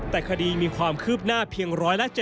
แต่คดีมีความคืบหน้าเพียง๑๗๐